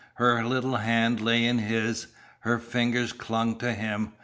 Her little hand lay in his. Her fingers clung to him.